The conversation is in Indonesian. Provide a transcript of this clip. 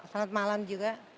selamat malam juga